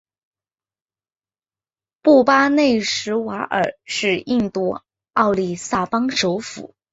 布巴内什瓦尔是印度奥里萨邦首府。